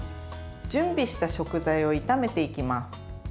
準備した食材を炒めていきます。